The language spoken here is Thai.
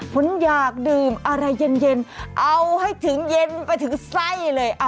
ผมอยากดื่มอะไรเย็นเอาให้ถึงเย็นไปถึงไส้เลย